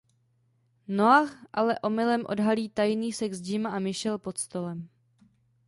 Noah ale omylem odhalí tajný sex Jima a Michelle pod stolem.